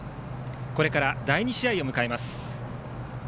これから第２試合を迎えます。